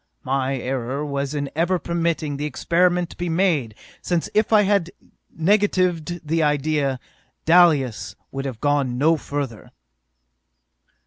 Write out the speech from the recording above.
My error was in ever permitting the experiment to be made, since if I had negatived the idea. Dalis would have gone no further!